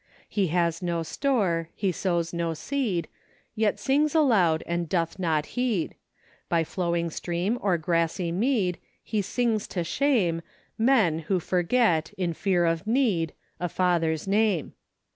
He has no store, he sows no seed ; Yet sings aloud, and doth not heed; By flowing stream or grassy mead. He sings to shame Men, who forget, in fear of need, A Father's name.